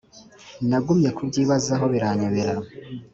nagumye kubyibazaho biranyobera